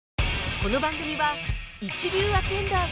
この番組は一流アテンダーが